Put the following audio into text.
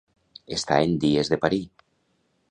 Estar en dies de parir.